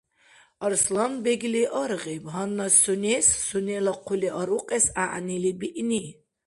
Арсланбегли аргъиб, гьанна сунес сунела хъули арукьес гӀягӀнили биъни.